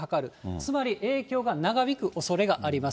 つまり影響が長引くおそれがあります。